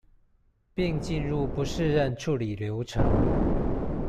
並進入不適任處理流程